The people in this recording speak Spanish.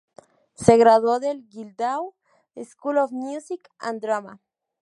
Se graduó del Guildhall School of Music and Drama.